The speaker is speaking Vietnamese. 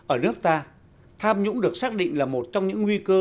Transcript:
ở nước ta tham nhũng được xác định là một trong những nguy cơ